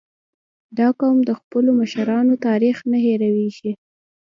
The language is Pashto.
• دا قوم د خپلو مشرانو تاریخ نه هېرېږي.